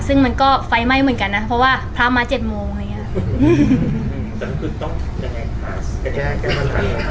ซึ่งมันก็ไฟไหม้เหมือนกันนะเพราะว่าพร้อมมา๗โมง